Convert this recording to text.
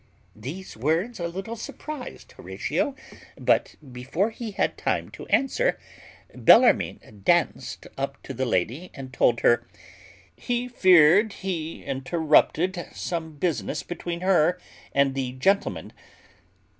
These words a little surprized Horatio; but, before he had time to answer, Bellarmine danced up to the lady and told her, "He feared he interrupted some business between her and the gentleman."